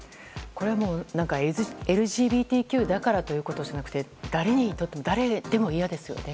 これはもう、ＬＧＢＴＱだからということじゃなくて誰でも嫌ですよね。